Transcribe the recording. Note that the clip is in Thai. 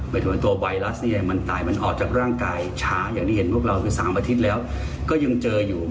การบินทรัพย์นี้มันออกจากร่างกายช้าอย่างที่เห็นพวกเราคือ๓อาทิตย์แล้วก็ยังเจออยู่